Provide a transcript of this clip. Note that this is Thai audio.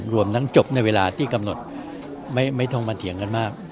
รวมทั้งจบในเวลาที่กำหนดไม่ต้องมาเถียงกันมาก